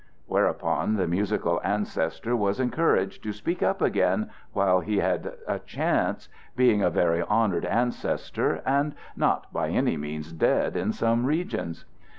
Whereupon the musical ancestor was encouraged to speak up again while he had a chance, being a very honored ancestor and not by any means dead in some regions.